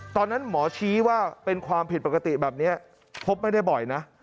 ตอนนั้นหมอชี้ว่าเป็นความผิดปกติแบบนี้พบไม่ได้บ่อยนะ